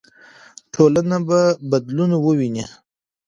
ټولنه به بدلون وویني.